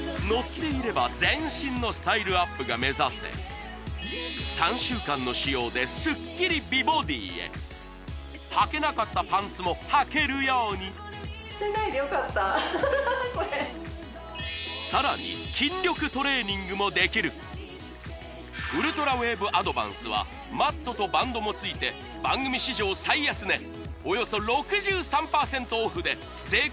乗っていれば全身のスタイルアップが目指せ３週間の使用でスッキリ美ボディへはけなかったパンツもはけるようにさらに筋力トレーニングもできるウルトラウェーブアドバンスはマットとバンドもついて番組史上最安値